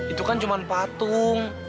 itu kan cuma patung